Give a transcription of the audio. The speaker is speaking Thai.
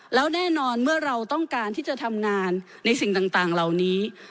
แล้วแน่นอนเมื่อเราต้องการที่จะทำงานในสิ่งต่างเหล่านี้